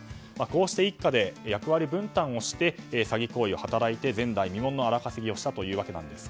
こうして一家で役割分担をして詐欺行為をして前代未聞の荒稼ぎをしたと。